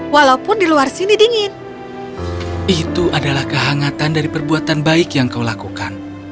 walaupun di luar sini dingin itu adalah kehangatan dari perbuatan baik yang kau lakukan